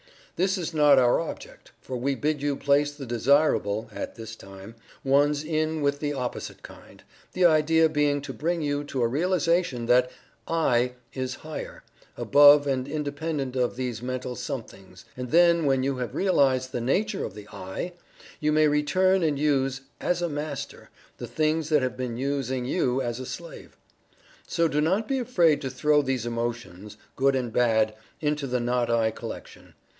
This is not our object, for we bid you place the desirable (at this time) ones in with the opposite kind, the idea being to bring you to a realization that the "I" is higher, above and independent of these mental somethings, and then when you have realized the nature of the "I," you may return and use (as a Master) the things that have been using you as a slave. So do not be afraid to throw these emotions (good and bad) into the "not I" collection.